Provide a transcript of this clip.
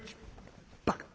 「バカ！